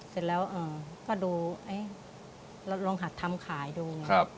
เสร็จแล้วก็ดูลองหัดทำขายดู